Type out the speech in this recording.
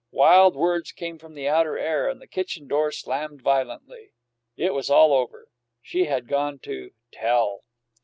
Wild words came from the outer air, and the kitchen door slammed violently. It was all over. She had gone to "tell."